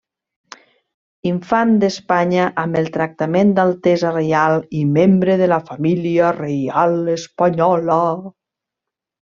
Infant d'Espanya amb el tractament d'altesa reial i membre de la Família Reial espanyola.